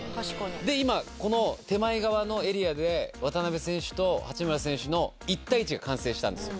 で今この手前側のエリアで渡邊選手と八村選手の１対１が完成したんですよ。